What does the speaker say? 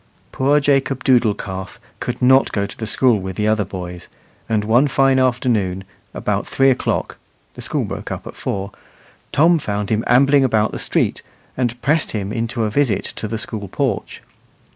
Poor Jacob Doodle calf could not go to the school with the other boys, and one fine afternoon, about three o'clock (the school broke up at four), Tom found him ambling about the street, and pressed him into a visit to the school porch.